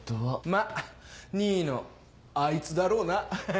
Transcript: まぁ２位のあいつだろうな。